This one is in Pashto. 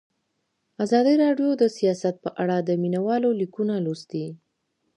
ازادي راډیو د سیاست په اړه د مینه والو لیکونه لوستي.